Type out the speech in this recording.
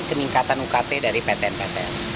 peningkatan ukt dari ptn ptn